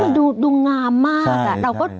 ซึ่งดูงามมาก